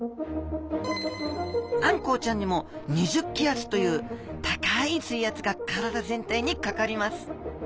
あんこうちゃんにも２０気圧という高い水圧が体全体にかかります。